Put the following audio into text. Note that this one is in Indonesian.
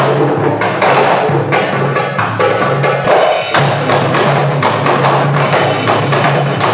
assalamualaikum warahmatullahi wabarakatuh waalaikumsalam warahmatullahi wabarakatuh